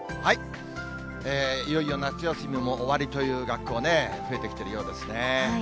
いよいよ夏休みも終わりという学校ね、増えてきてるようですね。